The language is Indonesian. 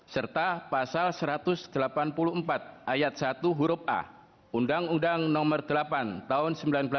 serta pasal satu ratus delapan puluh empat ayat satu huruf a undang undang nomor delapan tahun seribu sembilan ratus sembilan puluh